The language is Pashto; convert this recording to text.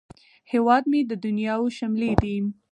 هیواد مې د نیاوو شملې دي